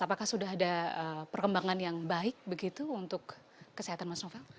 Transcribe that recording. apakah sudah ada perkembangan yang baik begitu untuk kesehatan mas novel